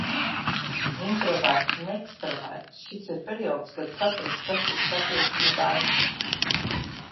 Introverts un ekstraverts – šis ir periods, kad saprast, kas es patiesībā esmu.